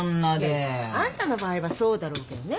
いやいや。あんたの場合はそうだろうけどね